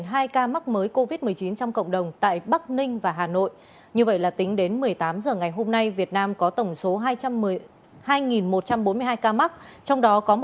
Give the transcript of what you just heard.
xin chào các bạn